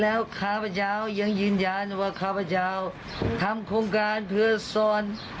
แล้วข้าพเจ้ายังยืนยันว่าข้าพเจ้าทำโครงการเพื่อสอน